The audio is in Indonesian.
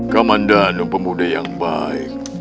kamandano pemuda yang baik